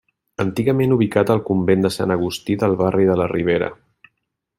Antigament ubicat al Convent de Sant Agustí del barri de la Ribera.